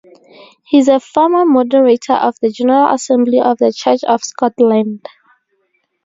He is a former Moderator of the General Assembly of the Church of Scotland.